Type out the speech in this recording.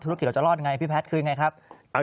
ธุรกิจเราจะรอดยังไงพี่แพทย์คือยังไงครับ